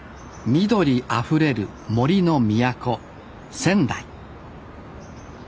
緑あふれる杜の都仙台。